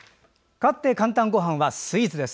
かわって「かんたんごはん」はスイーツです。